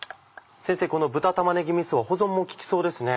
先生この豚玉ねぎみそは保存も利きそうですね。